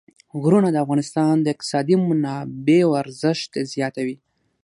غرونه د افغانستان د اقتصادي منابعو ارزښت زیاتوي.